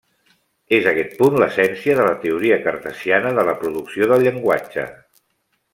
És aquest punt l'essència de la Teoria Cartesiana de la producció del llenguatge.